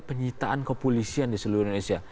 penyitaan kepolisian di seluruh indonesia